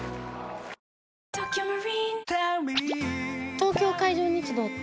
東京海上日動って？